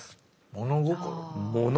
物心。